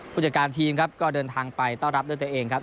ผู้จัดการทีมครับก็เดินทางไปต้อนรับด้วยตัวเองครับ